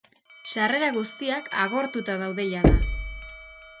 Sarrera guztiak agortuta daude jada.